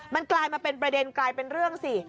มันกลายมาเป็นประเด็นกลายเป็นเรื่องสิ